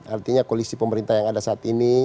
artinya koalisi pemerintah yang ada saat ini